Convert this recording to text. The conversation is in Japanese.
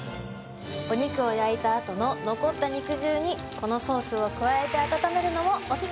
お肉を焼いたあとの残った肉汁にこのソースを加えて温めるのもおすすめです。